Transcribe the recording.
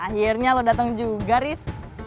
akhirnya lu dateng juga riz